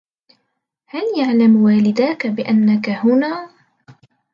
هل يعلم والداك بانك هنا؟